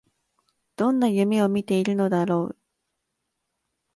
どんな夢を見ているのだろう